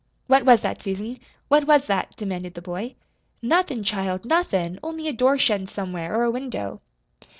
"What was that, Susan? What was that?" demanded the boy. "Nothin', child, nothin', only a door shuttin' somewhere, or a window."